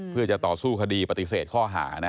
เพื่อจะต่อสู้คดีปฏิเสธข้อหานะ